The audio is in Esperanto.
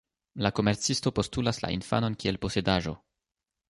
La komercisto postulas la infanon kiel posedaĵo.